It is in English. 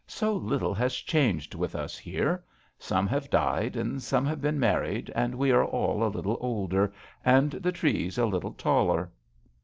So little has changed with us here. Some have died and some have been married, and we are all a little older and the trees a little taller."